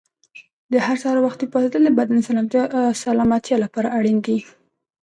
هر سهار وختي پاڅېدل د بدن د سلامتیا لپاره اړین دي.